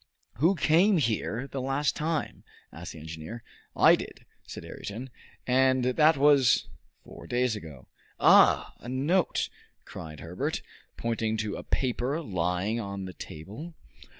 "Who came here the last time?" asked the engineer. "I did, captain," answered Ayrton. "And that was " "Four days ago." "Ah! a note!" cried Herbert, pointing to a paper lying on the table.